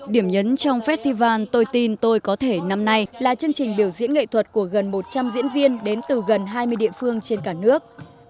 điểm nhấn trong festival tôi tin tôi có thể năm nay là chương trình biểu diễn nghệ thuật của gần một trăm linh diễn viên đến từ gần hai mươi địa phương trên cả nước